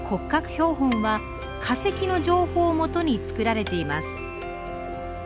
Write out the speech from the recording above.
標本は化石の情報をもとに作られています。